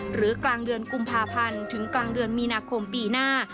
กลางเดือนกุมภาพันธ์ถึงกลางเดือนมีนาคมปีหน้า